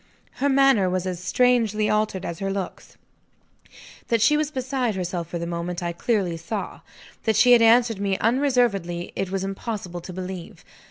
Her manner was as strangely altered as her looks. That she was beside herself for the moment, I clearly saw. That she had answered me unreservedly, it was impossible to believe.